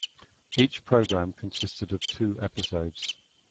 Each program consisted of two episodes.